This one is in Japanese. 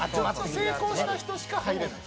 成功した人しか入れない。